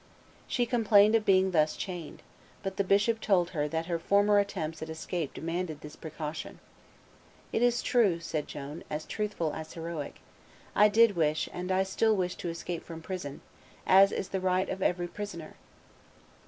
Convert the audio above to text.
She complained of being thus chained; but the bishop told her that her former attempts at escape demanded this precaution. "It is true," said Joan, as truthful as heroic, "I did wish and I still wish to escape from prison, as is the right of every prisoner."